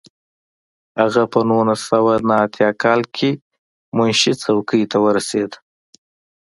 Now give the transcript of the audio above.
هغه په نولس سوه نهه اتیا کال کې منشي څوکۍ ته ورسېد.